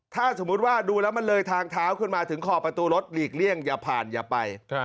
ถ้าสมมุติว่าดูแล้วมันเลยทางเท้าขึ้นมาถึงขอประตูรถหลีกเลี่ยงอย่าผ่านอย่าไป